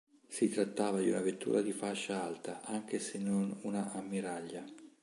Si trattava di una vettura di fascia alta, anche se non una ammiraglia.